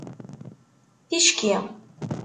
Ticki